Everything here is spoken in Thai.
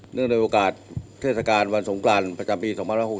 เนื่องในโอกาสเทศกาลวันสงกรรมประจำปี๒๖๔๑